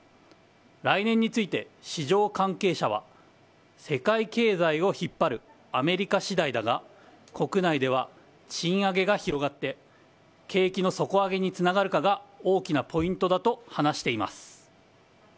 来年について、市場関係者は世界経済を引っ張るアメリカ次第だが国内では賃上げが広がって景気の底上げにつながるかが大きなポイントだと話しています。